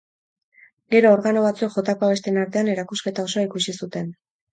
Gero, organo batzuek jotako abestien artean, erakusketa osoa ikusi zuten.